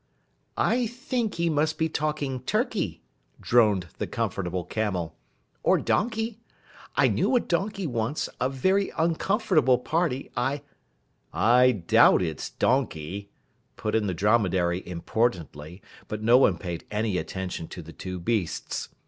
"I think he must be talking Turkey," droned the Comfortable Camel, "or donkey! I knew a donkey once, a very uncomfortable party, I " "I doubt it's donkey," put in the Dromedary importantly, but no one paid any attention to the two beasts.